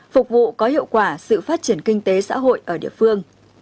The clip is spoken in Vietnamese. phục vụ có hiệu quả sự phát triển kinh tế xã hội ở địa phương